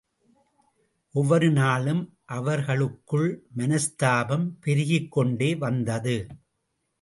ஒவ்வொருநாளும் அவர்களுக்குள் மனஸ்தாபம் பெருகிக்கொண்டே வந்தது.